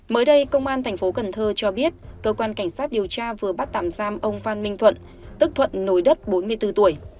mới đây công an tp cn cho biết cơ quan cảnh sát điều tra vừa bắt tạm giam ông phan minh thuận tức thuận nổi đất bốn mươi bốn tuổi